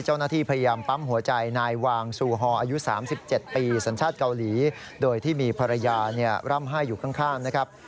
สัญชาติเกาหลีโดยที่มีภรรยาร่ำไห้อยู่ข้างนะครับ